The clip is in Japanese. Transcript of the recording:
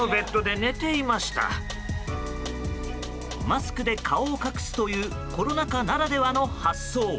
マスクで顔を隠すというコロナ禍ならではの発想。